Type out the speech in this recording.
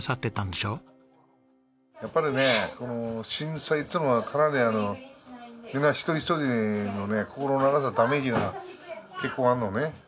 やっぱりね震災というのはかなりみんな一人一人の心の中にダメージが結構あるのね。